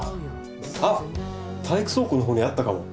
あっ体育倉庫のほうにあったかも。